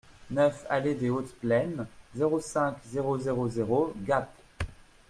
neuf allée Dès Hautes Plaines, zéro cinq, zéro zéro zéro, Gap